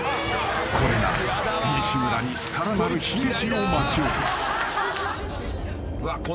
［これが西村にさらなる悲劇を巻き起こす］